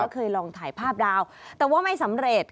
เคยลองถ่ายภาพดาวแต่ว่าไม่สำเร็จ